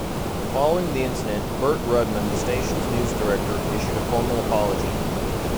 Following the incident, Bert Rudman, the station's news director, issued a formal apology.